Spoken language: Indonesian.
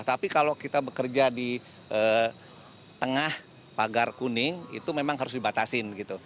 tapi kalau kita bekerja di tengah pagar kuning itu memang harus dibatasin gitu